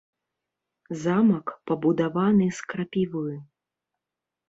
Замак, пабудаваны з крапівы.